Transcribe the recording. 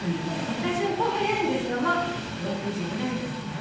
私も早いんですがまあ６時ぐらいですね。